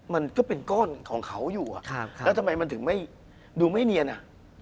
มันก็เป็นก้อนของเขาอยู่แล้วทำไมมันถึงไม่ดูไม่เนียนอ่ะ